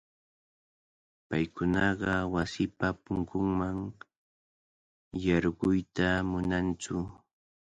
Paykunaqa wasipa punkunman yarquyta munantsu.